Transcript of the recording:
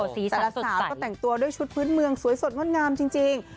แต่ละสาวก็แต่งตัวด้วยชุดพื้นเมืองสวยสดงดงามจริง